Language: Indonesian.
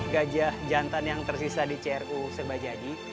gajah jantan yang tersisa di cru sebajadi